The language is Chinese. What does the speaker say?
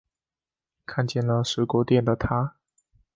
看见了水果店的她